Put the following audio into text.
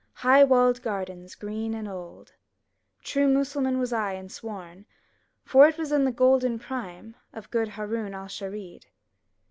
High walled gardens green and old; True Mussulman was I and sworn, For it was in the golden prime Of good Ha roun' Al rasch'id.